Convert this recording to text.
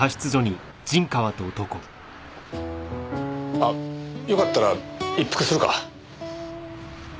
あよかったら一服するか？